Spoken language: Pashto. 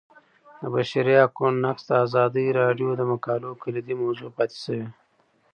د بشري حقونو نقض د ازادي راډیو د مقالو کلیدي موضوع پاتې شوی.